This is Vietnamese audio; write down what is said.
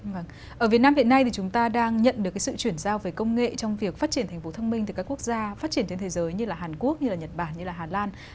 vâng ở việt nam hiện nay thì chúng ta đang nhận được cái sự chuyển giao về công nghệ trong việc phát triển thành phố thông minh từ các quốc gia phát triển trên thế giới như là hàn quốc như là nhật bản như là hà lan